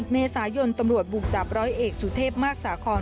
เมษายนตำรวจบุกจับร้อยเอกสุเทพมากสาคอน